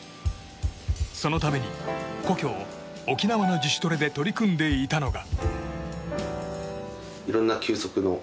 そのために故郷・沖縄の自主トレで取り組んでいたのが。